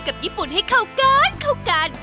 กับญี่ปุ่นให้เข้ากัน